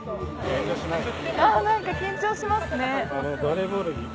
何か緊張しますね。